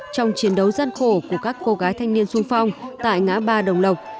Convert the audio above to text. trong chiến đấu gian khổ của các cô gái thanh niên sung phong tại ngã ba đồng lộc